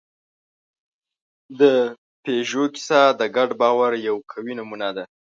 د پيژو کیسه د ګډ باور یوه قوي نمونه ده.